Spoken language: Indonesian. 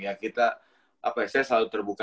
ya kita apa ya saya selalu terbuka